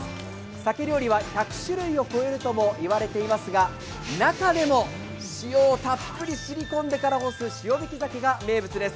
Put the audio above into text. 鮭料理は１００種類を超えるとも言われていますが、中でも塩をたっぷり染み込んでから干す塩引き鮭が名物です。